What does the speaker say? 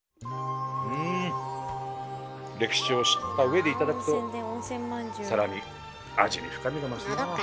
うん歴史を知った上で頂くとさらに味に深みが増すなぁ。